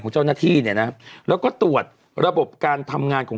เจ้าหน้าที่เนี่ยนะแล้วก็ตรวจระบบการทำงานของ